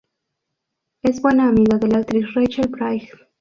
Es buena amiga de la actriz Rachel Bright.